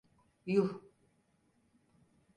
Yuh!